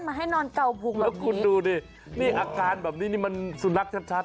มาให้นอนเก่าพุงแบบนี้แล้วคุณดูสินี่อาการแบบนี้มันสุนรักชัด